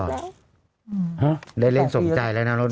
ได้เล่นสมใจแล้วน่ะโร่นี้